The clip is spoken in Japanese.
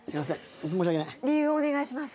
ホント申し訳ない理由をお願いします